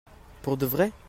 Pour de vrai ?